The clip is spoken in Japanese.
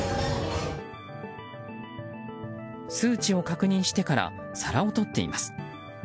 数値を確認してから皿をとっています。